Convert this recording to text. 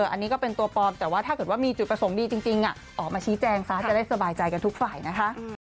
อันนี้ก็เป็นตัวปลอมแต่ว่าถ้าเกิดว่ามีจุดประสงค์ดีจริงออกมาชี้แจงซะจะได้สบายใจกันทุกฝ่ายนะคะ